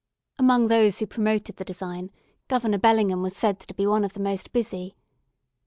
Among those who promoted the design, Governor Bellingham was said to be one of the most busy.